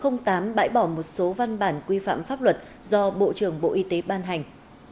thông tin số tám bãi bỏ một số văn bản quy phạm pháp luật do bộ trưởng bộ y tế ban hành